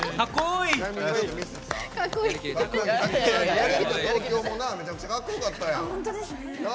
「やれるか、東京！」もめちゃくちゃかっこよかったな。